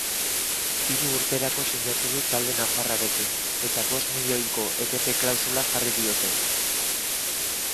Hiru urterako sinatu du talde nafarrarekin eta bost milioiko etete klausula jarri diote.